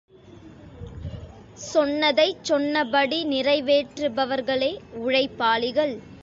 சொன்னதைச் சொன்னபடி நிறைவேற்று பவர்களே உழைப்பாளிகள்.